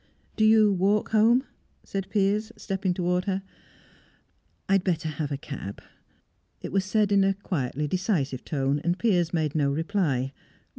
"Do you walk home?" said Piers, stepping towards her. "I'd better have a cab." It was said in a quietly decisive tone, and Piers made no reply.